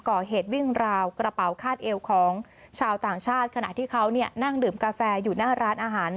ก่อเหตุวิ่งราวกระเป๋าคาดเอวของชาวต่างชาติขณะที่เขานั่งดื่มกาแฟอยู่หน้าร้านอาหาร